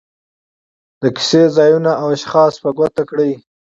د کیسې ځایونه او اشخاص په ګوته کړي.